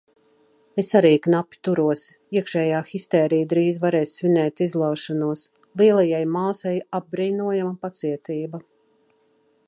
Es arī knapi turos, iekšējā histērija drīz varēs svinēt izlaušanos... Lielajai māsai apbrīnojama pacietība.